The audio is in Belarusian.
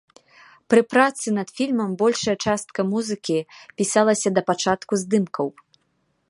Пры працы над фільмам большая частка музыкі пісалася да пачатку здымкаў.